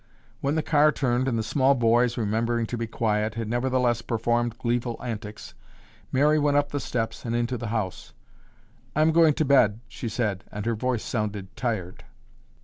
When the car turned and the small boys, remembering to be quiet, had nevertheless performed gleeful antics, Mary went up the steps and into the house. "I'm going to bed," she said and her voice sounded tired.